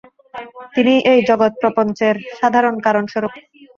তিনিই এই জগৎপ্রপঞ্চের সাধারণ কারণস্বরূপ।